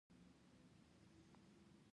لمسی له سړک نه احتیاط کوي.